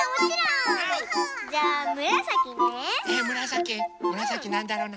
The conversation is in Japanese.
じゃあむらさきね。